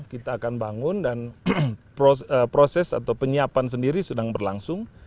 kita akan bangun dan proses atau penyiapan sendiri sedang berlangsung